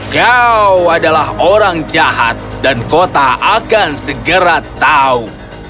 kau adalah orang jahat dan kota akan segera tahu